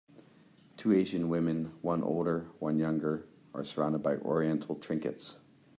Two Asian women, one older, one younger, are surrounded by oriental trinkets.